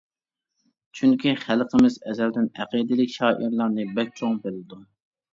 چۈنكى، خەلقىمىز ئەزەلدىن ئەقىدىلىك شائىرلارنى بەك چوڭ بىلىدۇ.